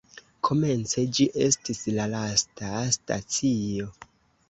Komence ĝi estis la lasta stacio.